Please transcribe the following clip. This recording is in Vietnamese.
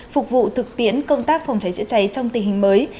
phục vụ thực tiến công tác phòng chế chữa cháy trong tình hình mới